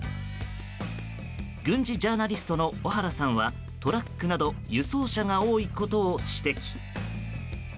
軍事ジャーナリストの小原さんはトラックなど輸送車が多いことを指摘。